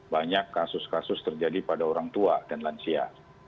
banyak kasus kasus terjadi pada orang tua dan lansia